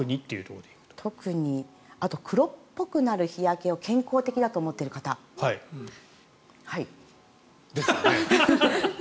黒っぽくなる日焼けを健康的だと思っている方。ですよね。